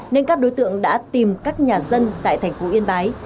nên các đối tượng đã tìm các nhà dân tại thành phố yên bái